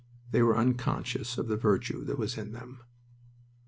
They were unconscious of the virtue that was in them.